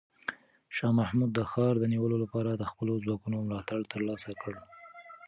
شاه محمود د ښار د نیولو لپاره د خپلو ځواکونو ملاتړ ترلاسه کړ.